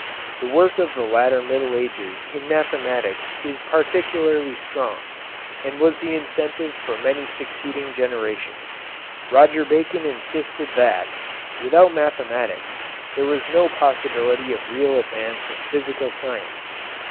The work of the later Middle Ages in mathematics is particularly strong, and was the incentive for many succeeding generations. Roger Bacon insisted that, without mathematics, there was no possibility of real advance in physical science.